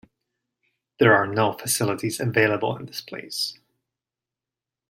There are no facilities available in this place.